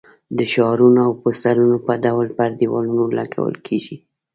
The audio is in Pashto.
د شعارونو او پوسټرونو په ډول پر دېوالونو لګول کېږي.